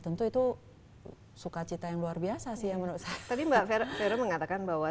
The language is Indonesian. tentu itu suka cita yang luar biasa sih yang menurut saya tadi mbak vero mengatakan bahwa